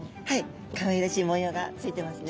かわいらしい模様がついてますね。